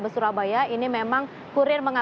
dan jugasome bisa lembas kartu ini